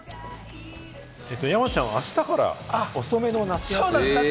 山ちゃんはあしたから遅めの夏休み。